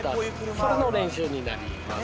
それの練習になります。